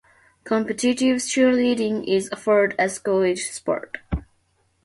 Competitive cheerleading is offered as a co-ed sport.